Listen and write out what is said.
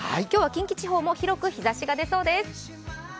今日は近畿地方も広く日ざしが出そうです。